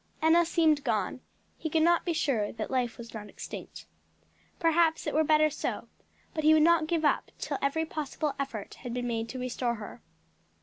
Enna seemed gone; he could not be sure that life was not extinct. Perhaps it were better so, but he would not give up till every possible effort had been made to restore her.